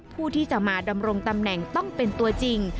ผู้ที่จะมาดำรงตำแหน่งต้องเป็นตัวจริง